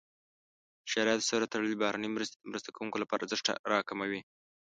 شرایطو سره تړلې بهرنۍ مرستې د مرسته کوونکو لپاره ارزښت راکموي.